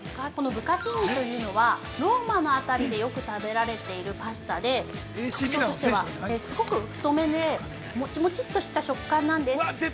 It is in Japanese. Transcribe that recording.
このブカティーニというのはローマのあたりでよく食べられているパスタで特徴としては、すごく太麺でもちもちっとした食感なんです。